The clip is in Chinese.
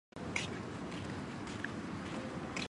准噶尔猪毛菜是苋科猪毛菜属的植物。